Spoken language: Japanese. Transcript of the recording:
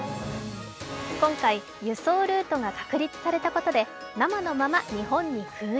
今回、輸送ルートが確立されたことで生のまま日本に空輸。